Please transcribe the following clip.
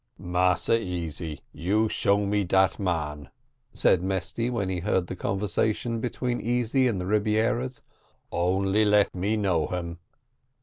"Massa Easy, you show me dat man?" said Mesty, when he heard the conversation between Easy and the Rebieras; "only let me know him."